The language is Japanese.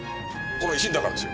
その一心だからですよ。